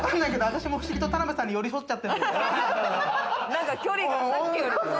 私も不思議と田辺さんに寄り添っちゃってる。